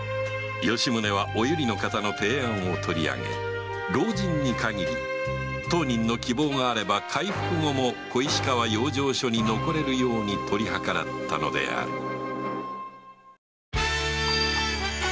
吉宗はお由利の方の提案をとり上げ老人に限り当人の希望があれば回復後も小石川養生所に残れるように取り計らったのである